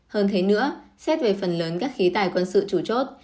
hơn thế nữa xét về phần lớn các khí tài quân sự chủ chốt